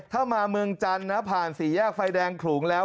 ถ้ามาเมืองจันทร์นะผ่านสี่แยกไฟแดงขลุงแล้ว